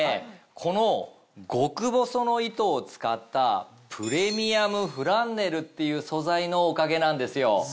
この極細の糸を使ったプレミアムフランネルっていう素材のおかげなんですよ。